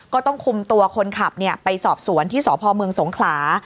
ก็ต้องคุมตัวคนขับไปสอบสวนที่สพเมืองสงขลา